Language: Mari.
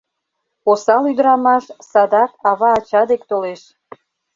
Осал ӱдырамаш садак ава-ача дек толеш.